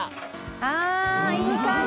あいい感じ！